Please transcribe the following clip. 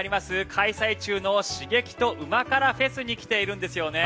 開催中の刺激と旨辛ＦＥＳに来ているんですよね。